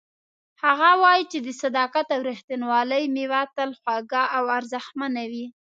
هغه وایي چې د صداقت او ریښتینولۍ میوه تل خوږه او ارزښتمنه وي